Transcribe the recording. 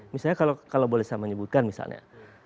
misalnya kalau boleh saya menyebutkan misalnya